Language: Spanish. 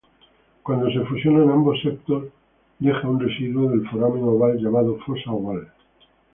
Cuando se fusionan ambos septos dejan un residuo del foramen oval llamado fosa oval.